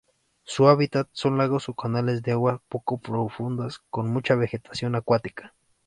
Su hábitat son lagos o canales de aguas poco profundas con mucha vegetación acuática.